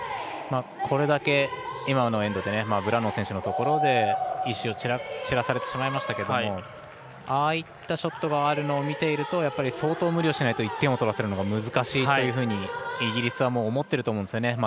これだけ今のエンドでブラノー選手のところで石を散らされてしまいましたけどああいったショットがあるのを見ていると相当無理しないと１点取るのは難しいというふうにイギリスは思っていると思うんですよね。